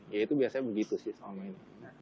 ya itu biasanya begitu sih sama ini